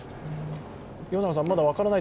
まだ分からない